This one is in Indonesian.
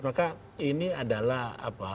maka ini adalah apa